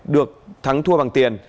được thắng thua bằng tiền